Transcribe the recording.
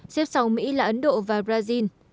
xếp sòng mỹ là ấn độ và brazil